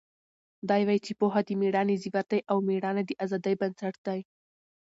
دی وایي چې پوهه د مېړانې زیور دی او مېړانه د ازادۍ بنسټ دی.